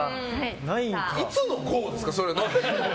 いつの郷ですか？